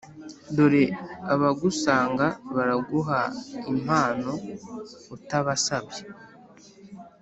dore abagusanga baraguha impano utabasabye,